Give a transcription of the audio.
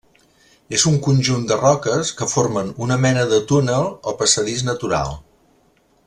És un conjunt de roques que formen una mena de túnel o passadís natural.